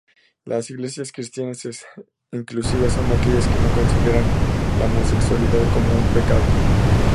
Las Iglesias cristianas inclusivas son aquellas que no consideran la homosexualidad como un pecado.